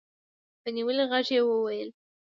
په نيولي غږ يې وويل.